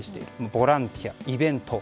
ボランティア、イベント。